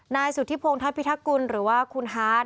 นายสุธิพงธพิธกุลหรือว่าคุณฮาร์ด